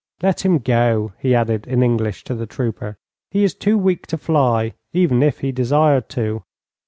Let him go,' he added, in English, to the trooper, 'he is too weak to fly, even if he desired to.'